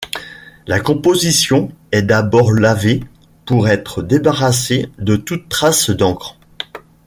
La composition est d'abord lavée pour être débarrassée de toute trace d'encre.